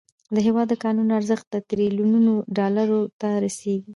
د هیواد د کانونو ارزښت تریلیونونو ډالرو ته رسیږي.